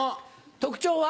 特徴は？